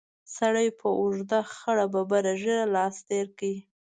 سړي په اوږده خړه ببره ږېره لاس تېر کړ.